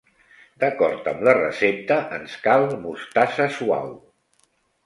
D'acord amb la recepte, ens cal mostassa suau.